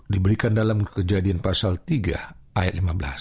diberikan dalam kejadian pasal tiga ayat lima belas